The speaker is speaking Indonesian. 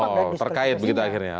oh terkait begitu akhirnya